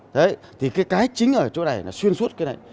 đấy thì cái chính ở chỗ này là xuyên suốt cái này